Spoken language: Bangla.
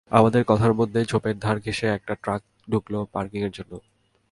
আমাদের কথার মধ্যেই ঝোপের ধার ঘেঁষে একটি ট্রাক ঢুকল পার্কিংয়ের জন্য।